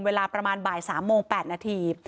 เวลาประมาณบ่าย๓โมง๘นาที